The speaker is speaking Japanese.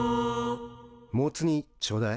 モツ煮ちょうだい。